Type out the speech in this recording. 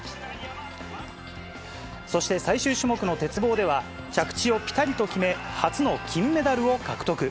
そして、最終種目の鉄棒では、着地をぴたりと決め、初の金メダルを獲得。